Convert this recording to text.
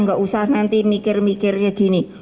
nggak usah nanti mikir mikirnya gini